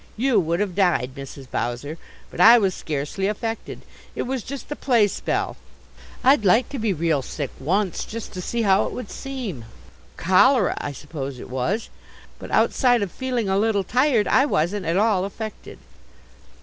You would have died, Mrs. Bowser; but I was scarcely affected. It was just a play spell. I'd like to be real sick once just to see how it would seem. Cholera, I suppose it was; but outside of feeling a little tired, I wasn't at all affected."